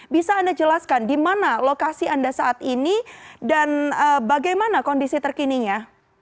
bisa anda jelaskan di mana lokasi anda saat ini dan bagaimana kondisi terkininya